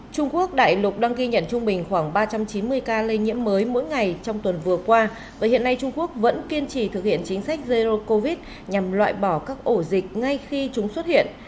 trung quốc đại lục đang ghi nhận trung bình khoảng ba trăm chín mươi ca lây nhiễm mới mỗi ngày trong tuần vừa qua và hiện nay trung quốc vẫn kiên trì thực hiện chính sách zero covid nhằm loại bỏ các ổ dịch ngay khi chúng xuất hiện